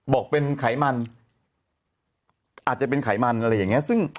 บอกเป็นไขมันอาจจะเป็นไขมันอะไรอย่างเงี้ยซึ่ง